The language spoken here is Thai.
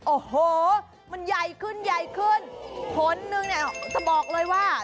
โอ้โหมันใหญ่ขึ้นผลหนึ่งเนี่ยจะบอกเลยว่า